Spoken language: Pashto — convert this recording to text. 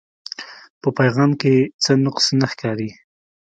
پۀ پېغام کښې څۀ نقص نۀ ښکاري